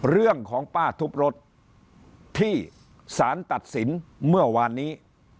เรื่องของป้าทุบรถที่สารตัดสินเมื่อวานนี้